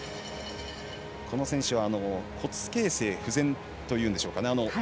この選手は骨形成不全というんですかね。